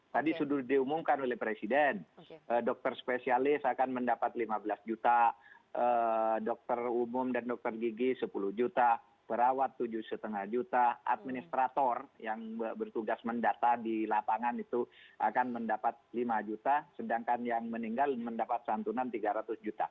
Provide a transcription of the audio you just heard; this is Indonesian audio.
tadi sudah diumumkan oleh presiden dokter spesialis akan mendapat lima belas juta dokter umum dan dokter gigi sepuluh juta perawat tujuh lima juta administrator yang bertugas mendata di lapangan itu akan mendapat lima juta sedangkan yang meninggal mendapat santunan tiga ratus juta